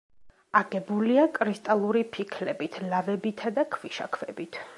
აგებულია კრისტალური ფიქლებით, ლავებითა და ქვიშაქვებით.